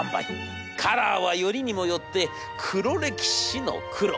カラーはよりにもよって黒歴史の黒。